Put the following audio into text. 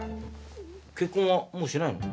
結婚はもうしないの？